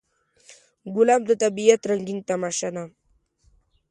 ګلاب د طبیعت رنګین تماشه ده.